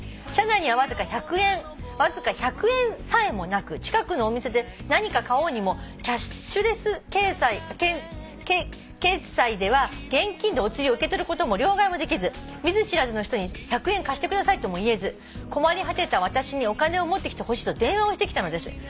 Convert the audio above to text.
「車内にはわずか１００円さえもなく近くのお店で何か買おうにもキャッシュレス決済では現金でお釣りを受け取ることも両替もできず見ず知らずの人に１００円貸してくださいとも言えず困り果てて私にお金を持ってきてほしいと電話をしてきたのです」